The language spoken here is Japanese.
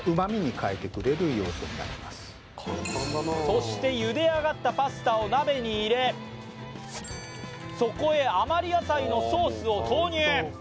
そしてゆで上がったパスタを鍋に入れ、そこへ余り野菜のソースを投入。